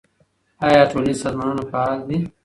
آیا ټولنیز سازمانونه فعال دي؟